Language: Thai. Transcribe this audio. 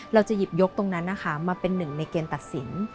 เราจะหยิบยกตรงนั้นนะคะมาเป็นหนึ่งในเกณฑ์ตัดสิน